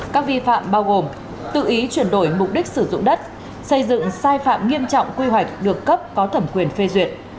các vi phạm bao gồm tự ý chuyển đổi mục đích sử dụng đất xây dựng sai phạm nghiêm trọng quy hoạch được cấp có thẩm quyền phê duyệt